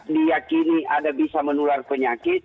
diakini ada bisa menular penyakit